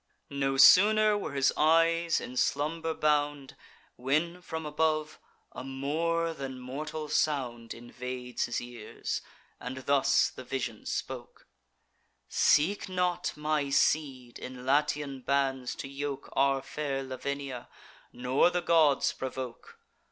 No sooner were his eyes in slumber bound, When, from above, a more than mortal sound Invades his ears; and thus the vision spoke: "Seek not, my seed, in Latian bands to yoke Our fair Lavinia, nor the gods provoke.